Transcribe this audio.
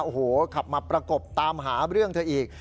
โอ้โหขับมาประกบตามหาเรื่องเธออีก